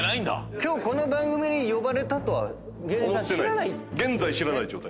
今日この番組に呼ばれたとは芸人さん知らないんですね。